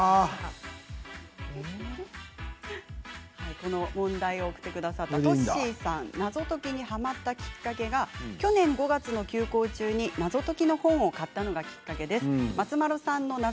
この問題を送ってくださったとっしーさん謎解きにはまった、きっかけが去年５月の休校中に謎解きの本を買ったのがきっかけです。